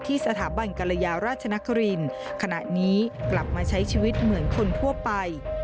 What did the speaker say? สถาบันกรยาราชนครินขณะนี้กลับมาใช้ชีวิตเหมือนคนทั่วไป